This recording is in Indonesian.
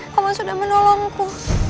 pak man sudah menolongku